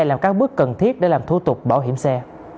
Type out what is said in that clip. làm các bước cần thiết để làm thủ tục bảo hiểm xe